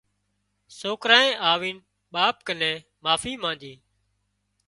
سوڪرانئي آوينَ ٻاپ ڪنين معافي مانڄي